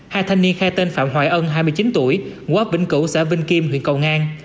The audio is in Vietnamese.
hai thanh niên khai tên phạm hoài ân hai mươi chín tuổi quốc vĩnh cửu xã vinh kim huyện cầu ngang